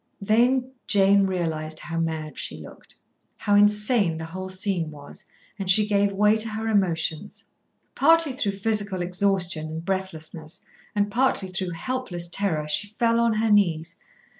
Then Jane realised how mad she looked, how insane the whole scene was, and she gave way to her emotions. Partly through physical exhaustion and breathlessness, and partly through helpless terror, she fell on her knees.